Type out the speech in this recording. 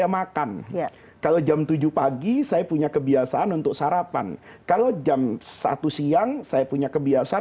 makan kalau jam tujuh pagi saya punya kebiasaan untuk sarapan kalau jam satu siang saya punya kebiasaan